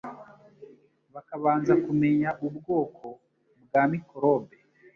bakabanza kumenya ubwoko bwa mikorobe